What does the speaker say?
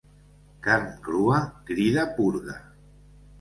Carn crua crida purga.